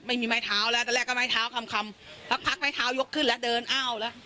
ไม่มีไม้เท้าแล้วตอนแรกก็ไม้เท้าคำคำสักพักไม้เท้ายกขึ้นแล้วเดินอ้าวแล้ว